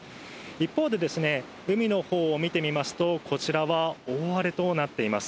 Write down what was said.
一方で、海のほうを見てみますと、こちらは大荒れとなっています。